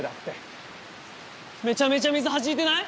めちゃめちゃ水はじいてない？